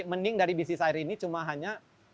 mending dari bisnis air ini cuma hanya